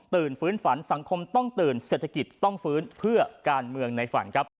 ฟื้นฝันสังคมต้องตื่นเศรษฐกิจต้องฟื้นเพื่อการเมืองในฝันครับ